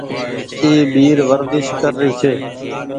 اي ٻير ورديش ڪري ڇي۔